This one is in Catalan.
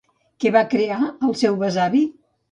Què va crear el seu besavi?